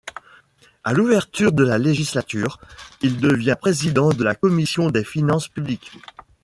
À l'ouverture de la législature, il devient président de la commission des Finances publiques.